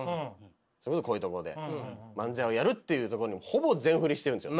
こういうところで漫才をやるっていうところにほぼ全振りしてるんですよ。